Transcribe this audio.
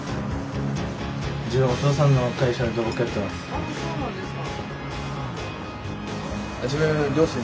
あっそうなんですか。